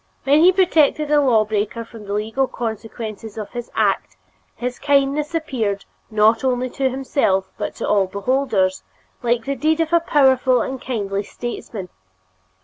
When he protected a law breaker from the legal consequences of his act, his kindness appeared, not only to himself but to all beholders, like the deed of a powerful and kindly statesman.